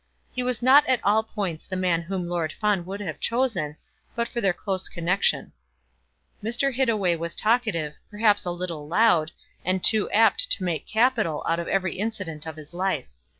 He was not at all points the man whom Lord Fawn would have chosen, but for their close connexion. Mr. Hittaway was talkative, perhaps a little loud, and too apt to make capital out of every incident of his life.